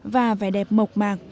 và vẻ đẹp mộc mạc